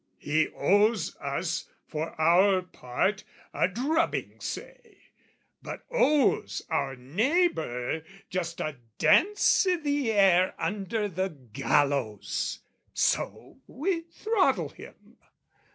He owes us, for our part, a drubbing say, But owes our neighbour just a dance i' the air Under the gallows: so we throttle him.